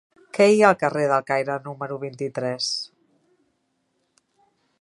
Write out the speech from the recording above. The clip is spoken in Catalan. Què hi ha al carrer del Caire número vint-i-tres?